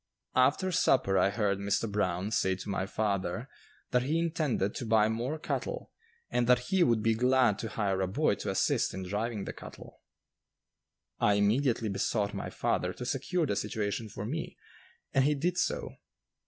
After supper I heard Mr. Brown say to my father that he intended to buy more cattle, and that he would be glad to hire a boy to assist in driving the cattle. I immediately besought my father to secure the situation for me, and he did so.